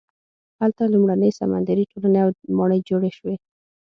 هلته لومړنۍ سمندري ټولنې او ماڼۍ جوړې شوې.